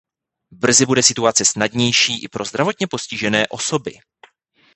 Brzy bude situace snadnější i pro zdravotně postižené osoby.